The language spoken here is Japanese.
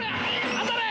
当たれ！